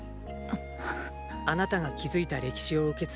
あなたが築いた歴史を受け継ぎ広める。